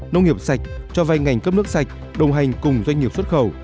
nông nghiệp sạch cho vay ngành cấp nước sạch đồng hành cùng doanh nghiệp xuất khẩu